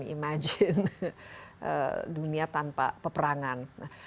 imagine dunia tanpa peperangan